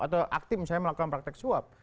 atau aktif misalnya melakukan praktek suap